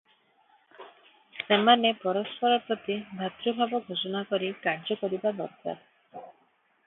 ସେମାନେ ପରସ୍ପର ପ୍ରତି ଭାତୃଭାବ ଘୋଷଣା କରି କାର୍ଯ୍ୟ କରିବା ଦରକାର ।